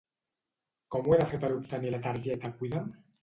Com ho he de fer per obtenir la targeta Cuida'm?